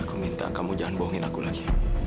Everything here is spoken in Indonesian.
aku minta kamu jangan bohongin aku lagi